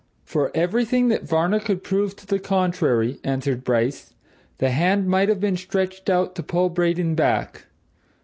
"For everything that Varner could prove to the contrary," answered Bryce, "the hand might have been stretched out to pull Braden back.